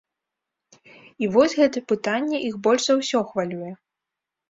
І вось гэта пытанне іх больш за ўсё хвалюе.